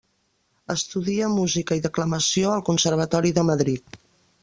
Estudia Música i Declamació al Conservatori de Madrid.